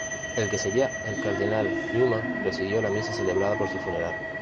El que sería el Cardenal Newman presidió la misa celebrada por su funeral.